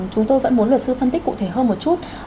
chúng tôi vẫn muốn luật sư phân tích cụ thể hơn một chút